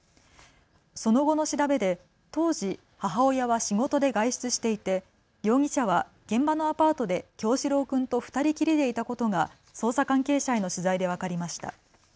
その後の調べで当時、母親は仕事で外出していて容疑者は現場のアパートで叶志郎君と２人きりでいたことが捜査関係者への取材で分かりました。